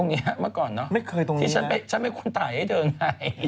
งั้นน่ะดูที่ก็ไม่ควรถ่ายให้เธอไง